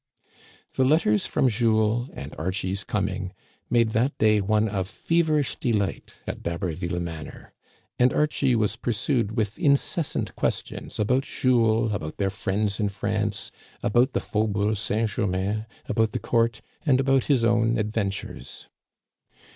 The letters from Jules, and Archie's coming, made that day one of feverish delight at D'Haberville Manor ; and, Archie was pursued with incessant questions about Jules, about their friends in France, about the Faubourg St. Germain, about the court, and about his own advent ures.